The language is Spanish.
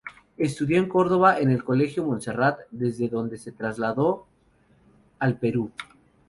Estudió en Córdoba en el Colegio de Montserrat, desde donde se trasladó al Perú.